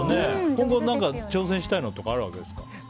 今後、挑戦したいのとかあるわけですか？